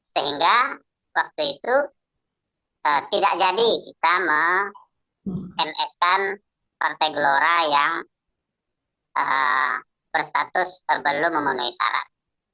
sehingga waktu itu tidak jadi kita meng ms kan partai gelora yang berstatus belum memenuhi syarat